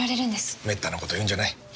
めったなことを言うんじゃない！